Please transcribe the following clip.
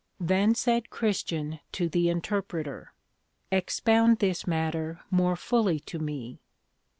Then said Christian to the Interpreter, Expound this matter more fully to me.